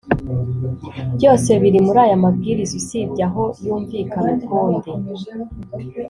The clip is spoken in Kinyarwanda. byose biri muri aya mabwiriza usibye aho yumvikana ukundi